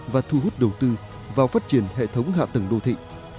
và thu hút đầu tư vào phát triển hệ thống hạ tầng đô thị